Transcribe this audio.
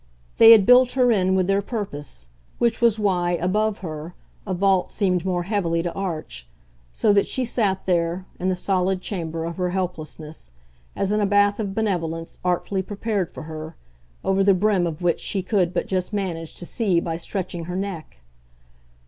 They had built her in with their purpose which was why, above her, a vault seemed more heavily to arch; so that she sat there, in the solid chamber of her helplessness, as in a bath of benevolence artfully prepared for her, over the brim of which she could but just manage to see by stretching her neck.